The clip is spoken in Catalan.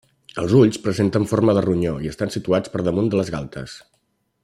Els ulls presenten forma de ronyó i estan situats per damunt de les galtes.